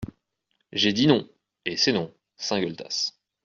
J'ai dit non, et c'est non ! SAINT-GUELTAS.